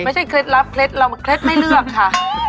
เคล็ดลับเคล็ดเราเคล็ดไม่เลือกค่ะ